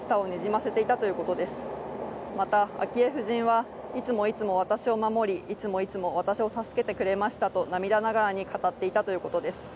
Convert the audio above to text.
また、昭恵夫人はいつもいつも私を守りいつもいつも私を助けてくれましたと涙ながらに語っていたということです。